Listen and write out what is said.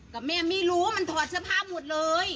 กับแม่ไม่รู้มันถอดเสื้อผ้าหมดเลย